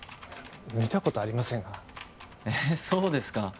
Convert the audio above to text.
見たことありませんがえっそうですか？